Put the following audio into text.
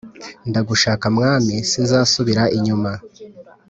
Ndagushaka mwami sinzasubira inyuma